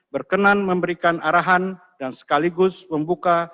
berkenan memberikan arahan dan sekaligus membuka